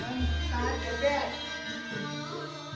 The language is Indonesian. dalam membentuk kelompok tari